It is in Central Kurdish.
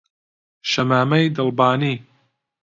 شەمامەی دڵبانی